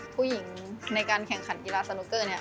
ผู้หญิงในการแข่งขันกีฬาสนุกเกอร์เนี่ย